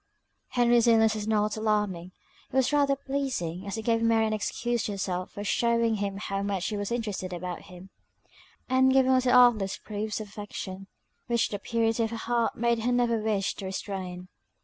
Henry's illness was not alarming, it was rather pleasing, as it gave Mary an excuse to herself for shewing him how much she was interested about him; and giving little artless proofs of affection, which the purity of her heart made her never wish to restrain.